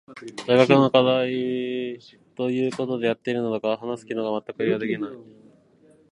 大学の課題と言うことでやっているのだが話す機能がまったく利用できていないのである。